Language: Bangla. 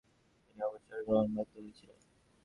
তিনি অবসর গ্রহণে বাধ্য হয়েছিলেন।